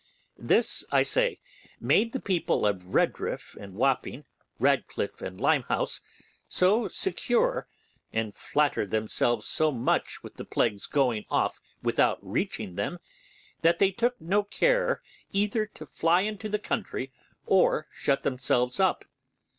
This, I say, made the people of Redriff and Wapping, Ratcliff and Limehouse, so secure, and flatter themselves so much with the plague's going off without reaching them, that they took no care either to fly into the country or shut themselves up.